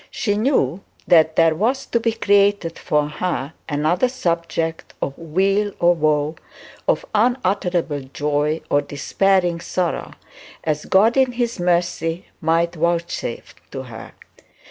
She knew that there was to be created for her another subject of weal or woe, of unutterable joy or despairing sorrow, as God in his mercy might vouchsafe to her.